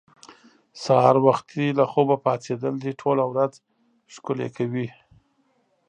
سهار وختي له خوبه پاڅېدل دې ټوله ورځ ښکلې کوي.